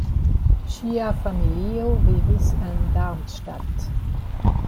Ŝia familio vivis en Darmstadt.